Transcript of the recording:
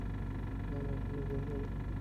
না, না, আমায় ভয় লাগে।